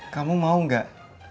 kamu mau gak